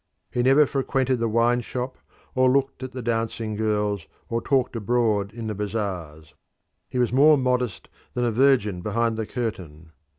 He never frequented the wine shop or looked at the dancing girls or talked abroad in the bazaars. He was more modest than a virgin behind the curtain.